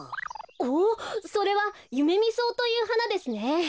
おっそれはユメミソウというはなですね。